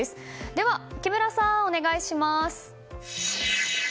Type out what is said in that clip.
では、木村さんお願いします。